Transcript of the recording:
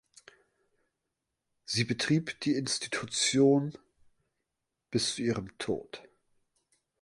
Sie betrieb die Institution bis zu ihrem Tod.